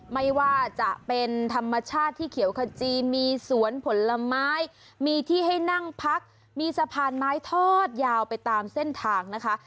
ไม่ว่าจะเป็นธรรมชาติที่เขียวขจีมีสวนผลไม้มีที่ให้นั่งพักมีสะพานไม้ทอดยาวไปตามเส้นทางนะคะ